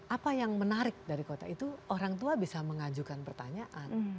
apa yang menarik dari kota itu orang tua bisa mengajukan pertanyaan